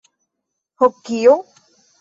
Ho kio?